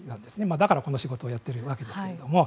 だからこの仕事をやっているわけですけれども。